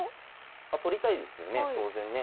取りたいですよね当然ね。